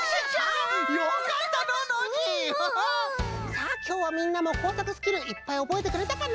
さあきょうはみんなもこうさくスキルいっぱいおぼえてくれたかな？